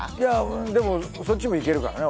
でもそっちもいけるからね